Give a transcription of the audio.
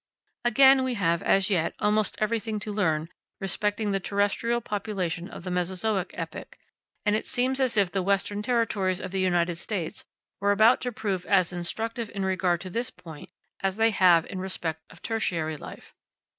Again, we have, as yet, almost everything to learn respecting the terrestrial population of the Mesozoic epoch; and it seems as if the Western territories of the United States were about to prove as instructive in regard to this point as they have in respect of tertiary life.